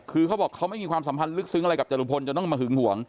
คือเขาบอกเขาไม่มีความสัมพันธ์ลึกซึ้งอะไรกับจรุงพล